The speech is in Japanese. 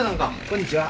こんにちは。